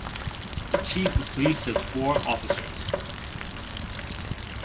The Chief of Police has four officers.